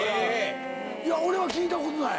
俺は聞いたことない。